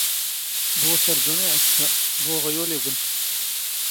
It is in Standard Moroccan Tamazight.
ⴱⵓ ⵓⵙⵔⴷⵓⵏ ⵉⵄⵙⵙⴰ, ⴱⵓ ⵓⵖⵢⵓⵍ ⵉⴳⵏ